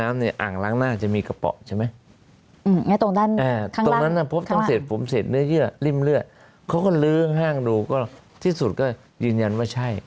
ไม่มีภัยกรรม๐๔๓